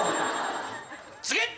次！